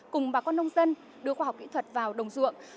cùng bà con nông dân đưa khoa học kỹ thuật vào đồng ruộng